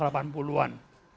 hanya diberikan kepada perempuan